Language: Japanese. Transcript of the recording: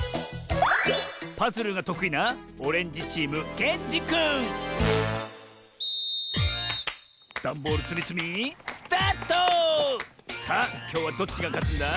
パズルがとくいなダンボールつみつみさあきょうはどっちがかつんだ？